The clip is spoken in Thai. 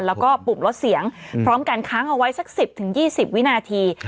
แล้วก็ปุ่มลดเสียงพร้อมกันค้างเอาไว้สัก๑๐๒๐วินาที